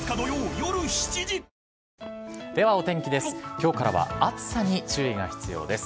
きょうからは暑さに注意が必要です。